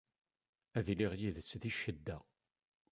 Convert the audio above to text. Ad iliɣ yid-s di ccedda.